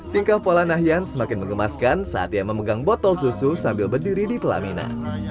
tingkah pola nahyan semakin mengemaskan saat ia memegang botol susu sambil berdiri di pelaminan